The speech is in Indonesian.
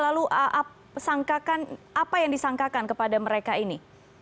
lalu apa yang disangkakan kepada mereka ini